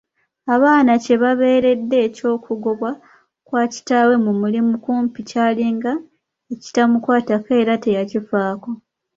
Abaana kye babeeredde, eky'okugobwa kwa kitaawe ku mulimu kumpi kyalinga ekitamukwatako era teyakifaako.